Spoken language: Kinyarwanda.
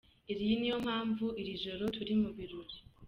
Iyi niyo mpamvu iri joro turi mu birori.